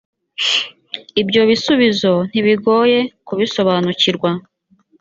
ibyo bisubizo ntibigoye kubisobanukirwa.